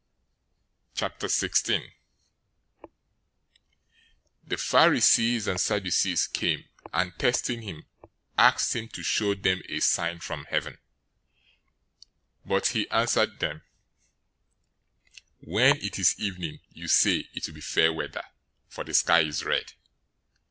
016:001 The Pharisees and Sadducees came, and testing him, asked him to show them a sign from heaven. 016:002 But he answered them, "When it is evening, you say, 'It will be fair weather, for the sky is red.'